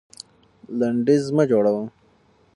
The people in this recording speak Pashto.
لنډيز مه جوړوه.